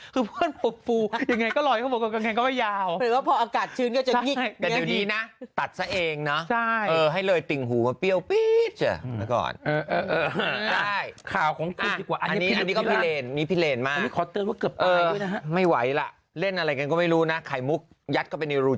คือเพื่อนฟูยังไงก็รอยข้างบนกันยังไงก็ไว้ยาว